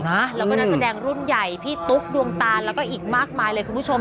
แล้วก็นักแสดงรุ่นใหญ่พี่ตุ๊กดวงตาแล้วก็อีกมากมายเลยคุณผู้ชม